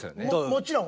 もちろん。